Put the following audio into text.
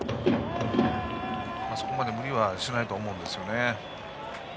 そこまで無理はしないと思いますね。